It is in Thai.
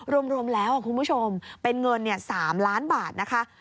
รวมแล้วคุณผู้ชมเป็นเงิน๓ล้านบาทนะคะ